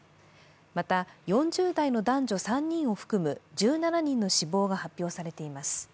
また、４０代の男女３人を含む１７人の死亡が発表されています。